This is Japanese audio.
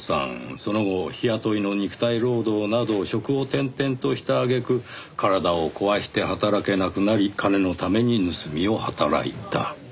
その後日雇いの肉体労働など職を転々とした揚げ句体を壊して働けなくなり金のために盗みを働いた。